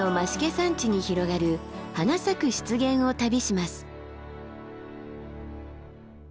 山地に広がる花咲く湿原を旅します。